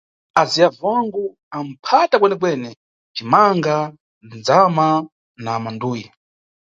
Aziyavu wangu aphata kwenekwene: cimanga, ndzama na manduyi.